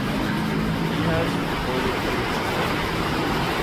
He has recorded frequently.